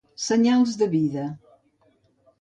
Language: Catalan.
Senyals de vida.